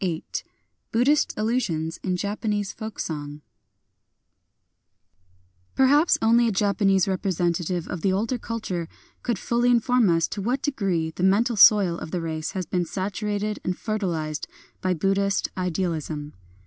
VIII BUDDHIST ALLUSIONS IN JAPANESE FOLK SONG Peehaps only a Japanese representative of the older culture could fully inform us to what degree the mental soil of the race has been saturated and fertilized by Buddhist idealism.